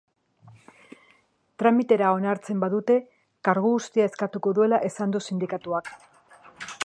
Tramitera onartzen badute kargu-uztea eskatuko duela esan du sindikatuak.